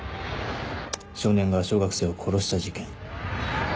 少年が小学生を殺した事件。